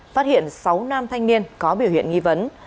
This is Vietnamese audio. phát hiện sáu nam thanh niên có biểu hiện nghi vấn